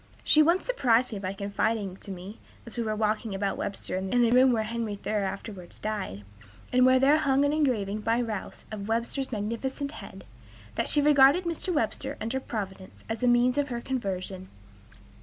She once surprised me by confiding to me (as we were talking about Webster in the room where Henry Thoreau afterwards died, and where there hung then an engraving by Rowse of Webster's magnificent head) "that she regarded Mr. Webster, under Providence, as the means of her conversion."